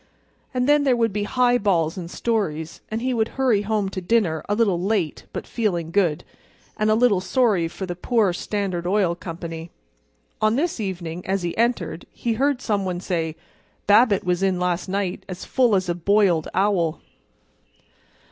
And then there would be high balls and stories, and he would hurry home to dinner a little late but feeling good, and a little sorry for the poor Standard Oil Company. On this evening as he entered he heard some one say: "Babbitt was in last night as full as a boiled owl."